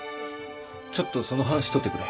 ちょっとその半紙取ってくれ。